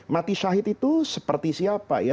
mati syahid itu seperti siapa ya